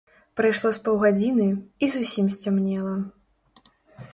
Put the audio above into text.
Прайшло з паўгадзіны, і зусім сцямнела.